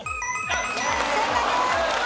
正解です。